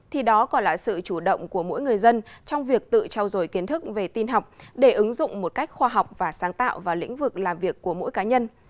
thì đó còn là sự chủ động của mỗi người dân trong việc tự trao dồi kiến thức về tin học để ứng dụng một cách khoa học và sáng tạo vào lĩnh vực làm việc của mỗi cá nhân